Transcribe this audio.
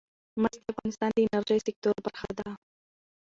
مس د افغانستان د انرژۍ سکتور برخه ده.